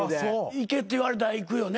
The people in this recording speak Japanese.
行けって言われたら行くよね？